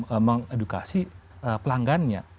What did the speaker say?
untuk mengedukasi pelanggannya